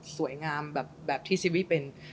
สวยงามแบบที่ทีซิวิเป็น